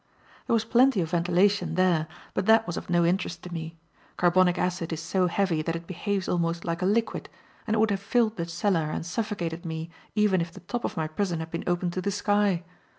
There was plenty of ventilation there, but that was of no interest to me. Carbonic acid gas is so heavy that it behaves almost like a liquid, and it would have filled the cellar and suffocated me even if the top of my prison had been open to the sky.